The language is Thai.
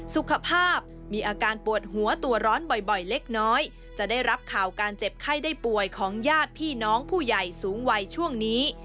สุขภาพมีอาการปวดหัวตัวร้อนบ่อยเล็กน้อยจะได้รับข่าวการเจ็บไข้ได้ป่วยของญาติพี่น้องผู้ใหญ่สูงวัยช่วงนี้